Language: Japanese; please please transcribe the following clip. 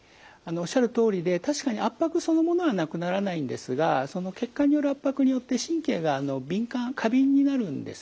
おっしゃるとおりで確かに圧迫そのものはなくならないんですがその血管による圧迫によって神経が敏感過敏になるんですね。